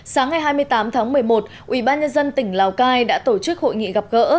sáng ngày hai mươi tám tháng một mươi một ubnd tỉnh lào cai đã tổ chức hội nghị gặp gỡ